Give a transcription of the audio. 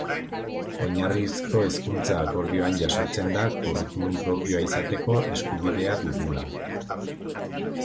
Oinarrizko Hezkuntza Akordioan jasotzen da curriculum propioa izateko eskubidea dugula.